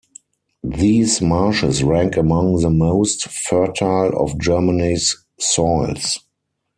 These marshes rank among the most fertile of Germany's soils.